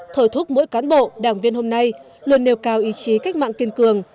thổi thúc mỗi cán bộ đảng viên hôm nay luôn nêu cao ý chí cách mạng kiên cường